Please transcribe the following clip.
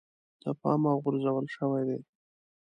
د پامه غورځول شوی دی.